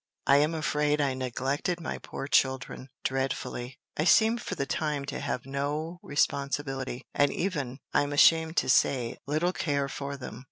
I am afraid I neglected my poor children dreadfully. I seemed for the time to have no responsibility, and even, I am ashamed to say, little care for them.